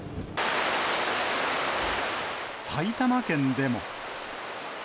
埼玉県でも。